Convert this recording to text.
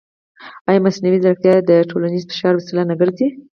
ایا مصنوعي ځیرکتیا د ټولنیز فشار وسیله نه ګرځي؟